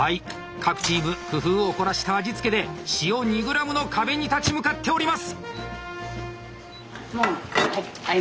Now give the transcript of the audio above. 各チーム工夫を凝らした味付けで塩２ｇの壁に立ち向かっております！